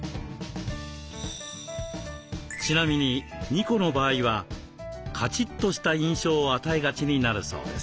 ちなみに２個の場合はカチッとした印象を与えがちになるそうです。